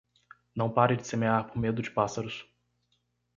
Não pare de semear por medo de pássaros.